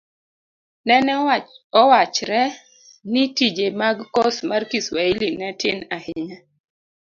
nene owachre ni tije mag kos mar kiswahili ne tin ahinya.